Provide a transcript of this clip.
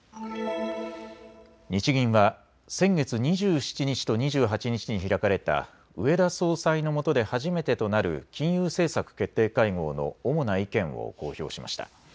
日銀は先月２７日と２８日に開かれた植田総裁のもとで初めてとなる金融政策決定会合の主な意見を公表しました。